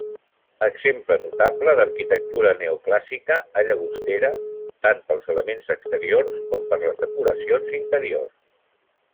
Exemple notable d'arquitectura neoclàssica a Llagostera, tant pels elements exteriors com per les decoracions interiors.